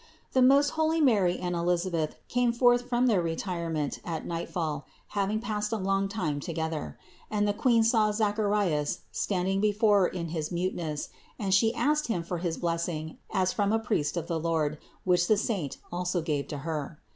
227. The most holy Mary and Elisabeth came forth from their retirement at nightfall, having passed a long time together; and the Queen saw Zacharias standing before Her in his muteness, and She asked him for his blessing as from a priest of the Lord, which the saint also gave to Her.